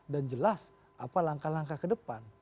dan jelas apa langkah langkah kedepan